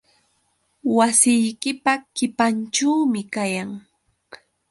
Wasiykipa qipanćhuumi kayan.